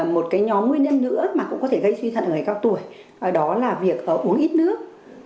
một nhóm nguyên nhân nữa mà cũng có thể gây suy thận ở người cao tuổi đó là việc uống ít nước